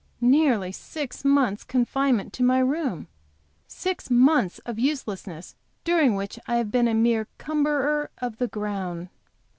Nearly six months confinement to my room; six months of uselessness during which I have been a mere cumberer of the ground.